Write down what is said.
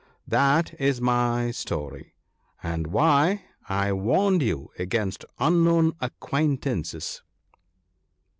That is my story, and why I warned you against unknown acquaintances.'